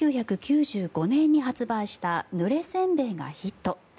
１９９５年に発売したぬれ煎餅がヒット。